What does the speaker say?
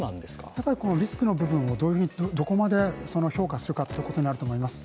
やっぱりリスクの部分をどこまで評価するかということになるかと思います。